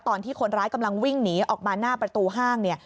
ตอนที่คนร้ายกำลังวิ่งหนีออกมาหน้าประตูห้างเนี่ย